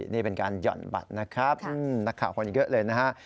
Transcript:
นี่เป็นการหย่อนบัตรนะครับนักข่าวคนเยอะเลยนะฮะ